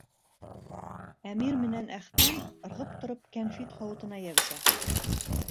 Әмир менән Әхтәм ырғып тороп кәнфит һауытына йәбешә.